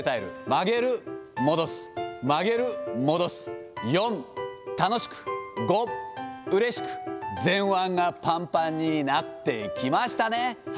曲げる、戻す、曲げる、戻す、４、楽しく、５、うれしく、前腕がぱんぱんになってきましたね。